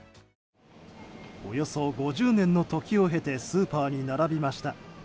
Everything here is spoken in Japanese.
およそ５０年の時を経てスーパーに並びました。